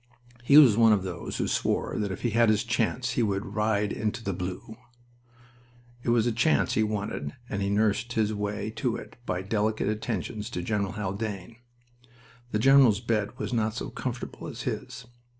He was one of those who swore that if he had his chance he would "ride into the blue." It was the chance he wanted and he nursed his way to it by delicate attentions to General Haldane. The general's bed was not so comfortable as his.